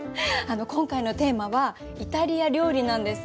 今回のテーマは「イタリア料理」なんです。